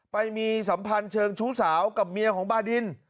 ไปมีสัมพันธ์เชิงชู้สาวกับเมียของบาดิน